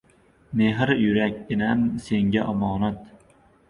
Mehr, yurakkinam senga omonat